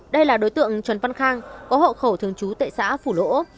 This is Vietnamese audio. đây là đối tượng trần văn khang có hậu khẩu thường trú tại xã phủ lỗ